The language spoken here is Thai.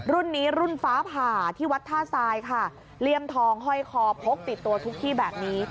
รุ่นนี้รุ่นฟ้าผ่าที่วัดท่าทรายค่ะเลี่ยมทองห้อยคอพกติดตัวทุกที่แบบนี้